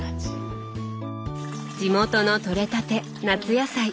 地元の取れたて夏野菜。